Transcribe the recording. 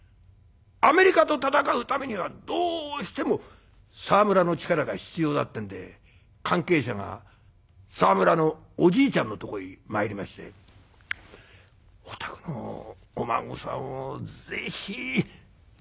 アメリカと戦うためにはどうしても沢村の力が必要だってんで関係者が沢村のおじいちゃんのとこへ参りまして「お宅のお孫さんをぜひ全日本軍に入団させたい。